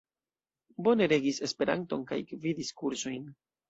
Bone regis Esperanton kaj gvidis kursojn.